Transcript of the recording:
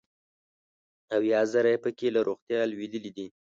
اویا زره یې پکې له روغتیا لوېدلي دي.